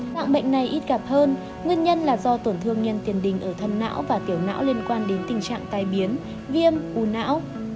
hạng bệnh này ít gặp hơn nguyên nhân là do tổn thương nhân tiền đình ở thân não và tiểu não liên quan đến tình trạng tai biến viêm u não